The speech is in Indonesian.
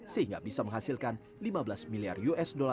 sehingga bisa menghasilkan lima belas miliar usd